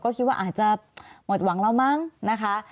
ก็คิดว่าอาจจะหมดหวังแล้วมั้งนะคะ